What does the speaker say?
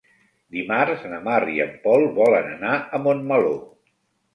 Dimarts na Mar i en Pol volen anar a Montmeló.